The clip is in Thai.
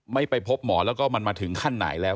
ไม่ไปพบหมอแล้วก็มันมาถึงขั้นไหนแล้ว